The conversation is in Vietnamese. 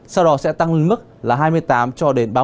sau đó sẽ tăng lên mức là hai mươi tám cho đến